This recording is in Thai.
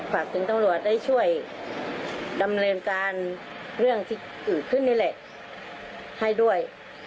ฝากถึงตำรวจได้ช่วยดำเนินการเรื่องที่เกิดขึ้นนี่แหละให้ด้วย